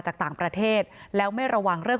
จากต่างประเทศแล้วไม่ระวังเรื่อง